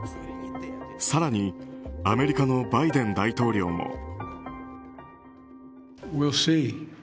更にアメリカのバイデン大統領も。